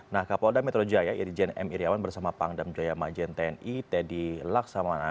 nah kapolda metro jaya irjen m iryawan bersama pangdam jaya majen tni teddy laksamana